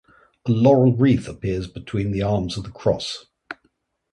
A laurel wreath appears between the arms of the cross.